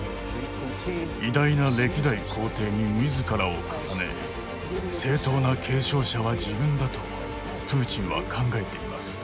偉大な歴代皇帝に自らを重ね正統な継承者は自分だとプーチンは考えています。